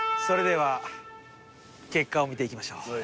それでは結果を見ていきましょう。